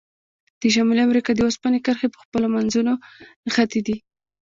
د شمالي امریکا د اوسپنې کرښې په خپلو منځونو نښتي دي.